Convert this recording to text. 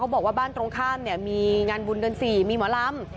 บอกว่าบ้านตรงข้ามเนี่ยมีงานบุญเดือน๔มีหมอลำ